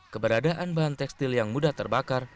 keberadaan bahan tekstil yang mudah terbakar